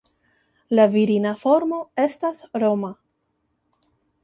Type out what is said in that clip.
La virina formo estas Roma.